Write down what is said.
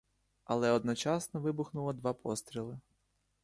Але одночасно вибухнуло два постріли.